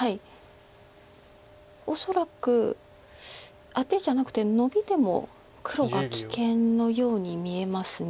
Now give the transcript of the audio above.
恐らくアテじゃなくてノビでも黒が危険のように見えます。